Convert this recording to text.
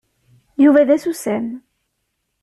Yuba d asusam.